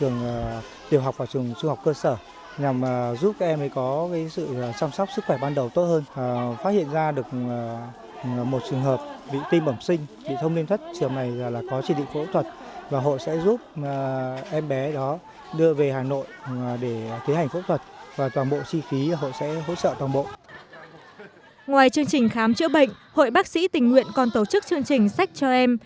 ngoài chương trình khám chữa bệnh hội bác sĩ tình nguyện còn tổ chức chương trình sách cho em